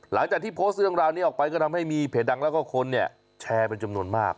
หลังจากที่โพสต์เรื่องราวนี้ออกไปก็ทำให้มีเพจดังแล้วก็คนเนี่ยแชร์เป็นจำนวนมาก